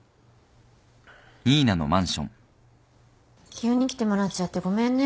急に来てもらっちゃってごめんね。